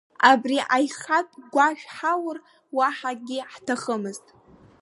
Абри аихатә гәашә ҳаур уаҳа акгьы ҳҭахымызт.